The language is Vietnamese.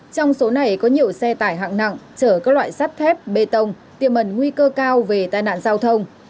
trong số này có nhiều xe tải hạng nặng chở các loại sắt thép bê tông tiềm ẩn nguy cơ cao về tai nạn giao thông